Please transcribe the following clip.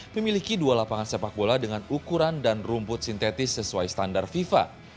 memiliki dua lapangan sepak bola dengan ukuran dan rumput sintetis sesuai standar fifa